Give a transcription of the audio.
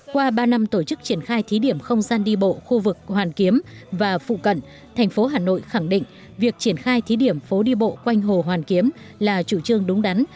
qua ba năm tổ chức triển khai thí điểm không gian đi bộ khu vực hoàn kiếm và phụ cận thành phố hà nội khẳng định việc triển khai thí điểm phố đi bộ quanh hồ hoàn kiếm là chủ trương đúng đắn